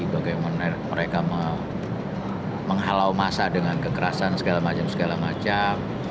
bagaimana mereka menghalau massa dengan kekerasan segala macam segala macam